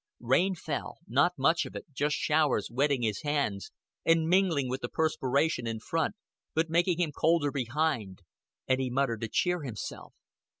Rain fell not much of it, just showers, wetting his hands, and mingling with the perspiration in front, but making him colder behind; and he muttered to cheer himself.